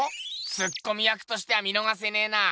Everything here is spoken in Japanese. ツッコミ役としては見のがせねぇな。